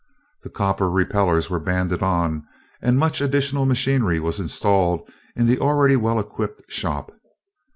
The copper repellers were banded on, and much additional machinery was installed in the already well equipped shop.